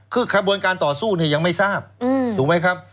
คือขบวนการต่อสู้เนี่ยยังไม่ทราบถูกไหมครับ